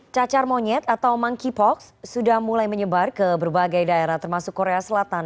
cacar monyet atau monkeypox sudah mulai menyebar ke berbagai daerah termasuk korea selatan